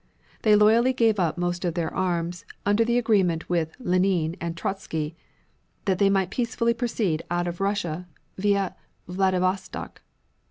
They loyally gave up most of their arms under agreement with Lenine and Trotzky that they might peacefully proceed out of Russia via Vladivostok.